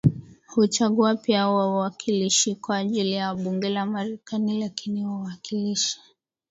huchagua pia wawakilishi kwa ajili ya bunge la Marekani lakini wawakilishi